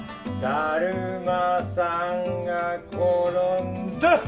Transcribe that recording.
だるまさんがころんだっ！